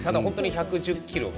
１１０キロ